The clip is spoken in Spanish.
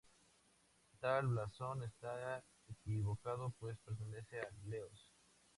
Tal blasón está equivocado, pues pertenece a Leoz.